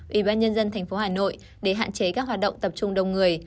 ủy ban nhân dân tp hà nội để hạn chế các hoạt động tập trung đông người